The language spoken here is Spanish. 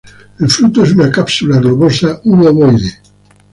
El fruto es una cápsula globosa u ovoide.